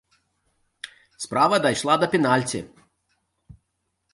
Справа дайшла да пенальці.